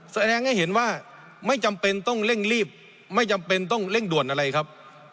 แสดงให้เห็นว่าไม่จำเป็นต้องเร่งรีบไม่จำเป็นต้องเร่งด่วนอะไรครับ